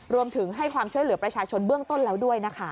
รวมถึงให้ความช่วยเหลือประชาชนเบื้องต้นแล้วด้วยนะคะ